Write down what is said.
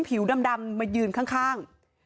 ผิวดำมายืนข้าง